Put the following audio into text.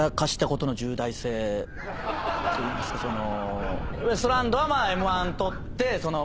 といいますかその。